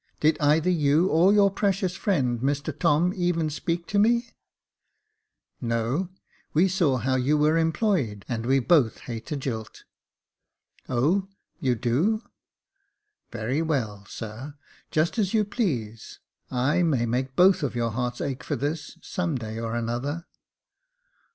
'' Did either you, or your precious friend, Mr Tom, even speak to me .''"" No ; we saw how you were employed, and we both hate a jilt." "O! you do. Very well, sir; just as you please. I may make both of your hearts ache for this, some day or another."